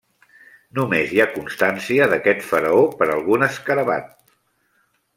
Només hi ha constància d'aquest faraó per algun escarabat.